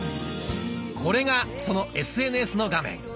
これがそのＳＮＳの画面。